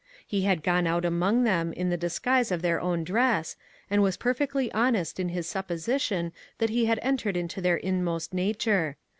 He had gone about among them in the disguise of their own dress, and was perfectly honest in his supposition that he had entered into their inmost nature.